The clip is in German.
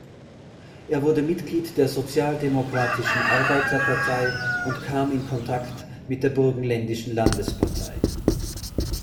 Er wurde Mitglied der Sozialdemokratischen Arbeiterpartei und kam in Kontakt mit der burgenländischen Landespartei.